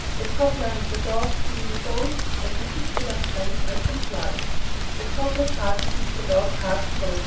The cobbler and the dog being both my particular friends I complied. The cobbler parted with the dog heartbroken.